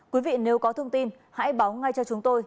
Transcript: quý vị nếu có thông tin hãy báo ngay cho chúng tôi